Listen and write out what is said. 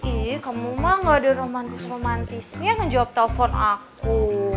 eh kamu mah gak ada romantis romantisnya ngejawab telepon aku